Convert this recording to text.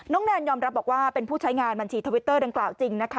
แนนยอมรับบอกว่าเป็นผู้ใช้งานบัญชีทวิตเตอร์ดังกล่าวจริงนะคะ